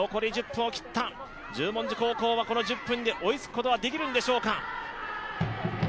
十文字高校はこの１０分で追いつくことはできるんでしょうか。